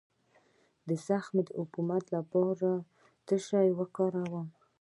د زخم د عفونت لپاره باید څه شی وکاروم؟